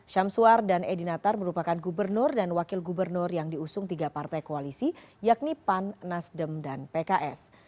syamsuar dan edi natar merupakan gubernur dan wakil gubernur yang diusung tiga partai koalisi yakni pan nasdem dan pks